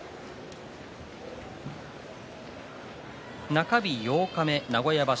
中日八日目、名古屋場所